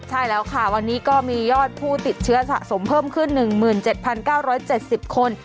ใช่แล้วค่ะวันนี้ก็มียอดผู้ติดเชื้อสะสมเพิ่มขึ้น๑๗๙๗๐คน